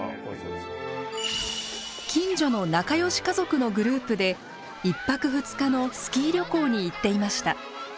近所の仲良し家族のグループで１泊２日のスキー旅行に行っていました。